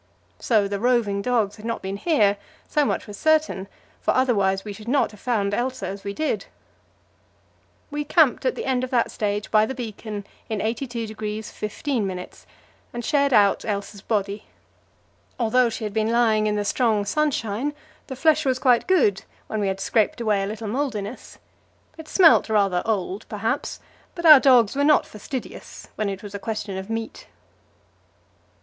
So the roving dogs had not been here; so much was certain, for otherwise we should not have found Else as we did. We camped at the end of that stage by the beacon in 82° 15', and shared out Else's body. Although she had been lying in the strong sunshine, the flesh was quite good, when we had scraped away a little mouldiness. It smelt rather old, perhaps, but our dogs were not fastidious when it was a question of meat.